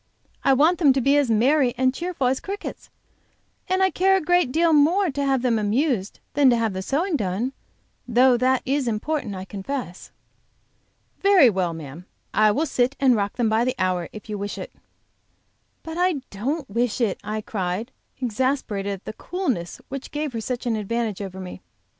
"I want them to be as merry and cheerful as crickets, and I care a great deal more to have them amused than to have the sewing done, though that is important, I confess." "Very well, ma'am, I will sit and rock them by the hour if you wish it." "But I don't wish it," I cried, exasperated at the coolness which gave her such an advantage over me.